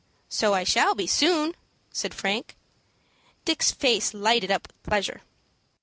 "So I shall be soon," said Frank. Dick's face lighted up with pleasure.